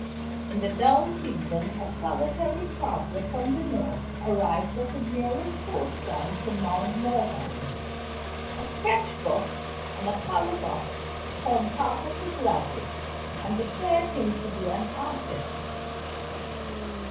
In the dull season, a solitary traveler from the North arrived at the nearest post town to Mount Morven. A sketchbook and a color box formed part of his luggage, and declared him to be an artist.